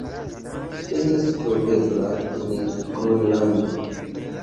Ĝi estas trovebla en Gronlando.